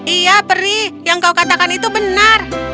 iya peri yang kau katakan itu benar